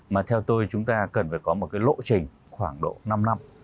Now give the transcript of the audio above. mà theo tôi chúng ta cần phải có một cái lộ trình khoảng độ năm năm